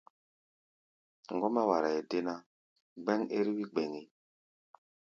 Ŋgɔ́mbá waraʼɛ dé ná, gbɛ́ŋ ɛ́r-wí gbɛŋí.